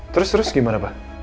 terus terus gimana pak